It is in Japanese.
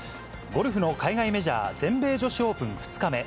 ゴルフの海外メジャー、全米女子オープン２日目。